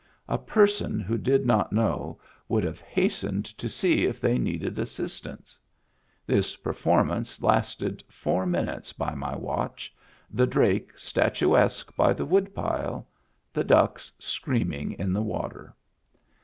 A person who did not know would have hastened to Digitized by Google 302 MEMBERS OF THE FAMILY see if they needed assistance. This performance lasted four minutes by my watch — the drake statuesque by the woodpile, the ducks screaming in the water.